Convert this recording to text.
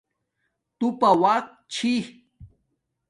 توپا وقت چھیے